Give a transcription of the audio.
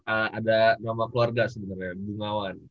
bener ada nama keluarga sebenernya bungawan